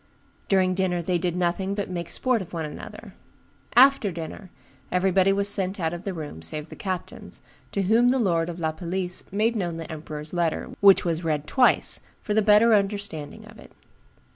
During dinner they did nothing but make sport one of another. After dinner, everybody was sent out of the room, save the captains, to whom the lord of La Palisse made known the emperor's letter, which was read twice, for the better understanding of it.